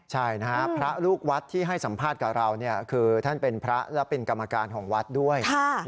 ใช่นะฮะพระลูกวัดที่ให้สัมภาษณ์กับเราคือท่านเป็นพระและเป็นกรรมการของวัดด้วย